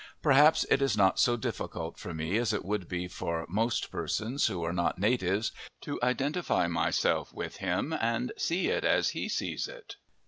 Perhaps it is not so difficult for me as it would be for most persons who are not natives to identify myself with him and see it as he sees it.